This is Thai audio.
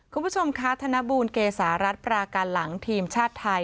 คุณผู้ชมคะธนบูลเกษารัฐปราการหลังทีมชาติไทย